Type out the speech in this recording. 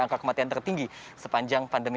pengatian tertinggi sepanjang pandemi